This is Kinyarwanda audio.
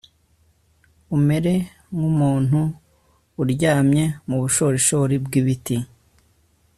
umere nk'umuntu uryamye mu bushorishori bw'ibiti